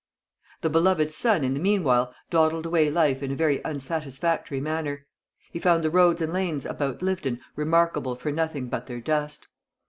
The beloved son in the meanwhile dawdled away life in a very unsatisfactory manner. He found the roads and lanes about Lyvedon remarkable for nothing but their dust.